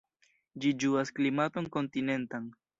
Ĝi ĝuas klimaton kontinentan.